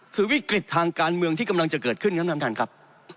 คือวิกฤตทางการเมืองที่กำลังจะเกิดขึ้นครับท่านท่านครับ